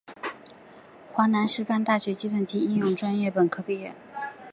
华南师范大学计算机应用专业本科毕业。